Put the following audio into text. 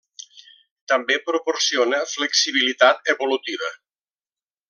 També proporciona flexibilitat evolutiva.